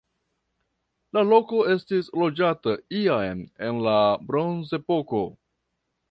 La loko estis loĝata jam en la bronzepoko.